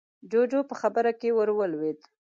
جُوجُو په خبره کې ورولوېد: